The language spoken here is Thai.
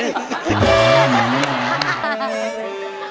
เย็น